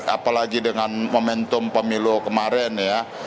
apalagi dengan momentum pemilu kemarin ya